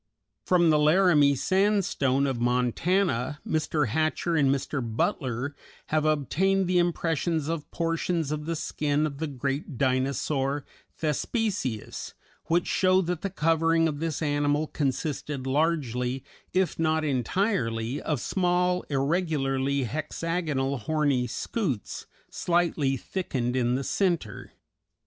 From the Laramie sandstone of Montana Mr. Hatcher and Mr. Butler have obtained the impressions of portions of the skin of the great Dinosaur, Thespesius, which show that the covering of this animal consisted largely, if not entirely, of small, irregularly hexagonal horny scutes, slightly thickened in the centre.